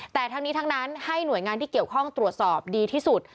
แต่ทั้งนี้ทั้งนั้นให้หน่วยงานที่เกี่ยวข้องตรวจสอบดีที่สุด